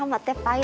masih lu tau